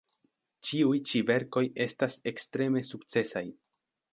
Ĉiuj ĉi verkoj estis ekstreme sukcesaj.